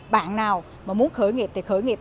bạn nào mà muốn khởi nghiệp thì khởi nghiệp